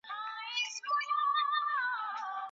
د نکاح پر وخت ضروري معلومات تبادله کړئ.